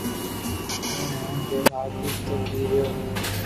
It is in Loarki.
ھون ھين رھيو آخري تڪ ھي رھيو ھون